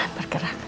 hubungi aku saatnya